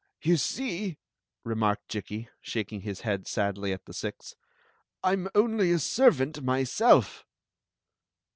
"You see," remarked Jikki, shaking his head sadly at the six, "1 'm only a servant myself.